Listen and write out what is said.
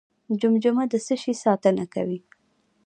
جمجمه د څه شي ساتنه کوي؟